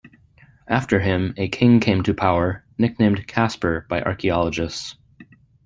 After him, a king came to power, nicknamed "Casper" by archaeologists.